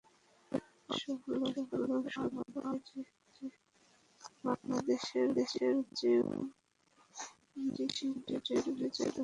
অবিশ্বাস্য হলেও সত্যি, বাংলাদেশের চেয়েও বেশি টি-টোয়েন্টি জয়ের অভিজ্ঞতা হয়ে গেছে আফগানদের।